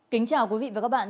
kính chào quý vị và các bạn